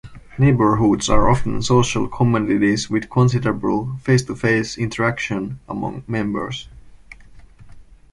Neighbourhoods are often social communities with considerable face-to-face interaction among members.